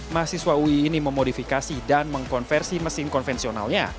mahasiswa ui ini memodifikasi dan mengkonversi mesin konvensionalnya